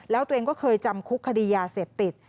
แล้วตัวเองก็เคยจำคุกคดียาเสพติด